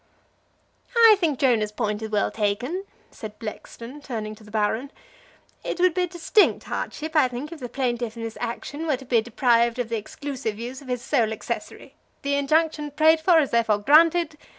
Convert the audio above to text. "I think Jonah's point is well taken," said Blackstone, turning to the Baron. "It would be a distinct hardship, I think, if the plaintiff in this action were to be deprived of the exclusive use of his sole accessory. The injunction prayed for is therefore granted.